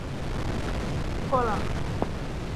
Su presencia en Guyana es incierta.